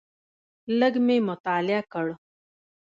لږ مې مطالعه کړ.